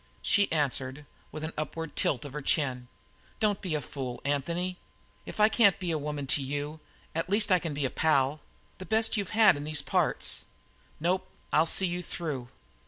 She answered, with an upward tilt of her chin: "Don't be a fool, Anthony. If I can't be a woman to you, at least I can be a pal the best you've had in these parts. Nope, I'll see you through.